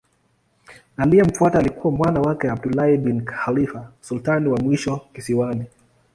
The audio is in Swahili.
Aliyemfuata alikuwa mwana wake Abdullah bin Khalifa sultani wa mwisho kisiwani.